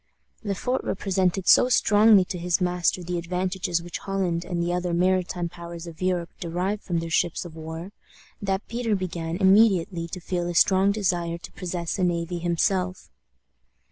Le Fort represented so strongly to his master the advantages which Holland and the other maritime powers of Europe derived from their ships of war, that Peter began immediately to feel a strong desire to possess a navy himself.